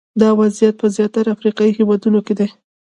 دا وضعیت په زیاتره افریقایي هېوادونو کې دی.